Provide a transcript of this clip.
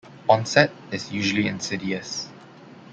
Onset is usually insidious.